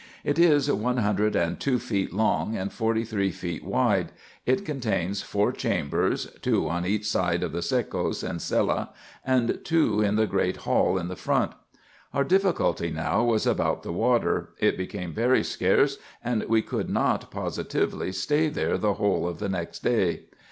It is one hundred and two feet long, and forty three feet wide ; it contains four chambers, two on each side of the sekos and cella, and two in the great hall in the front. Our difficulty now was about the water; it became very scarce, and we could not, positively, stay there the whole of the next day.